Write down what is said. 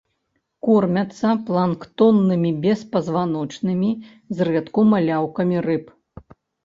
Кормяцца планктоннымі беспазваночнымі, зрэдку маляўкамі рыб.